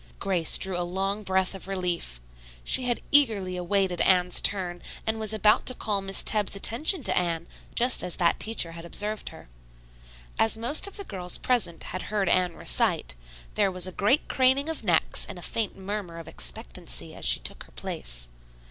Grace drew a long breath of relief. She had eagerly awaited Anne's turn and was about to call Miss Tebbs's attention to Anne, just as that teacher had observed her. As most of the girls present had heard Anne recite, there was a great craning of necks and a faint murmur of expectancy as she took her place.